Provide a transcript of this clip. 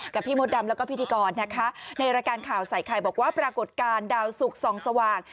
พี่มดดำแล้วก็พิธีกรนะคะในรายการข่าวใส่ไข่บอกว่าปรากฏการณ์ดาวสุกส่องสว่าง